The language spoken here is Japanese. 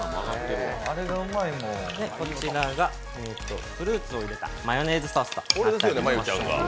こちらがフルーツを入れたマヨネーズソースとなっています。